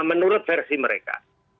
menurut versi mereka